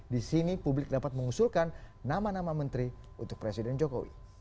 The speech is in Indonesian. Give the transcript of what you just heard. di sini publik dapat mengusulkan nama nama menteri untuk presiden jokowi